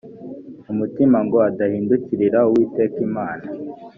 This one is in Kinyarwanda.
umutima ngo adahindukirira uwiteka imana